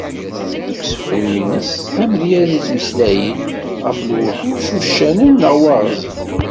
Deg usefru ines, amedyaz ittmeslay-d ɣef lewḥuc, uccanen neɣ Waɣzen.